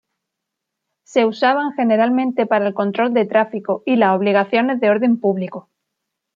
Se usaban generalmente para el control de tráfico y las obligaciones de orden público.